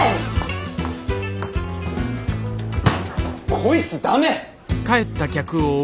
こいつダメ！